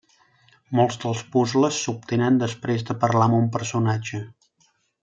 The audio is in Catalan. Molts dels puzles s'obtenen després de parlar amb un personatge.